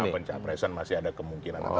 pencapresan masih ada kemungkinan